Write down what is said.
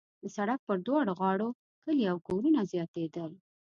د سړک پر دواړو غاړو کلي او کورونه زیاتېدل.